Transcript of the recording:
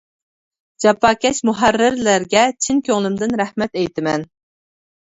جاپاكەش مۇھەررىرلەرگە چىن كۆڭلۈمدىن رەھمەت ئېيتىمەن.